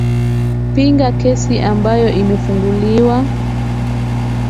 pinga kesi ambayo imefunguliwa